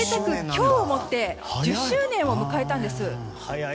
今日をもって１０周年を迎えたんです。